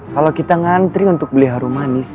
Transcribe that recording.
kalau kita ngantri untuk beli haru manis